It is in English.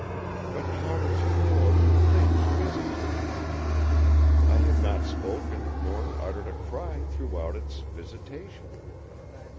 But, how did she know of the Thing's visit to me? I had not spoken nor uttered a cry throughout Its visitation.